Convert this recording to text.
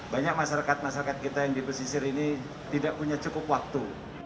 banyak masyarakat masyarakat kita yang di pesisir ini tidak punya cukup waktu